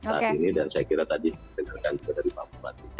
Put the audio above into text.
saat ini dan saya kira tadi dengarkan juga dari pak bupati